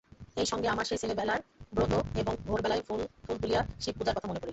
এইসঙ্গে আমার সেই ছেলেবেলাকার ব্রত এবং ভোরবেলায় ফুল তুলিয়া শিবপূজার কথা মনে পড়িল।